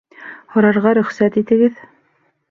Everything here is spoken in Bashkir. Һорарға рөхсәт итегеҙ